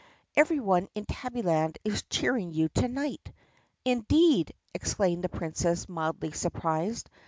Every one in Tabbyland is cheering you to night!" "Indeed!" exclaimed the Princess mildly surprised.